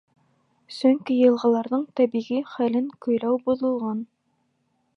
Сөнки йылғаларҙың тәбиғи хәлен көйләү боҙолған.